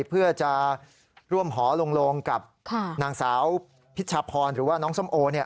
เพื่อจะร่วมหอลงกับนางสาวพิชพรหรือว่าน้องส้มโอ